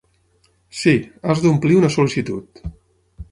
Sí, has d'omplir una sol·licitud.